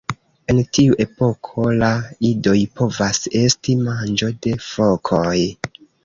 En tiu epoko la idoj povas esti manĝo de fokoj.